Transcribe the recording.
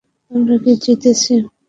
আমরা কি জিতেছি?